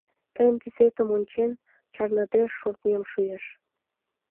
Тыйын тӱсетым ончен, чарныде шортмем шуэш...